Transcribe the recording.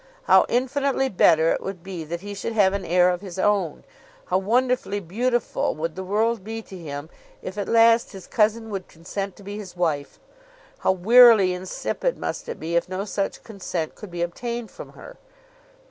How infinitely better it would be that he should have an heir of his own. How wonderfully beautiful would the world be to him if at last his cousin would consent to be his wife! How wearily insipid must it be if no such consent could be obtained from her.